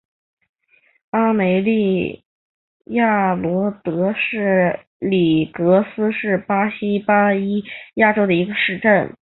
阿梅利娅罗德里格斯是巴西巴伊亚州的一个市镇。